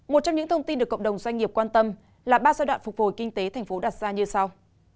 một trong những thông tin được cộng đồng doanh nghiệp quan tâm là ba giai đoạn phục hồi kinh tế thành phố đặt ra như sau